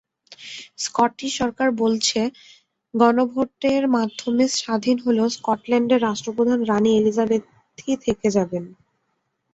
Scottish সরকার বলছে, গণভোটের মাধ্যমে স্বাধীন হলেও স্কটল্যান্ডের রাষ্ট্রপ্রধান রানি এলিজাবেথই থেকে যাবেন।